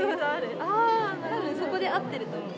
多分そこで合ってると思う。